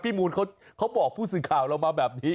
มูลเขาบอกผู้สื่อข่าวเรามาแบบนี้